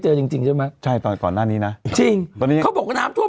จริงจริงใช่ไหมใช่ตอนก่อนหน้านี้นะจริงตอนนี้เขาบอกว่าน้ำท่วม